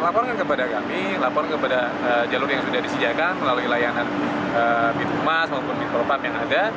laporkan kepada kami laporkan kepada jalur yang sudah disijakan melalui layanan bitu emas maupun bitu lopat yang ada